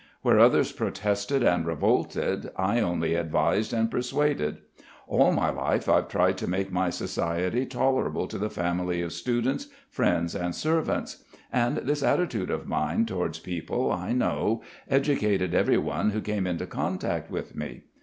Where others protested and revolted I only advised and persuaded. All my life I've tried to make my society tolerable to the family of students, friends and servants. And this attitude of mine towards people, I know, educated every one who came into contact with me.